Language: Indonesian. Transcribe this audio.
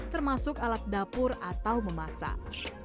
termasuk alat dapur atau memasak